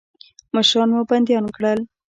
مشران مو بندیان کړل.